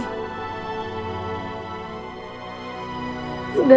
udah nanti udah